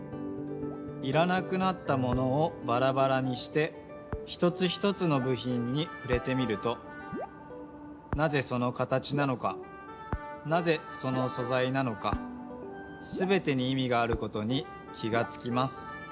いらなくなったものをバラバラにして一つ一つのぶひんにふれてみるとなぜその形なのかなぜそのそざいなのかすべてにいみがあることに気がつきます。